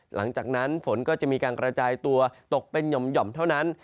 หลังจากนั้นฝนก็จะมีการกระจายตัวตกเป็นหย่อมเท่านั้น